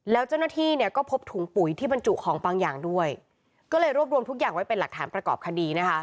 แล้วเจ้าหน้าที่เนี่ยก็พบถุงปุ๋ยที่บรรจุของบางอย่างด้วยก็เลยรวบรวมทุกอย่างไว้เป็นหลักฐานประกอบคดีนะคะ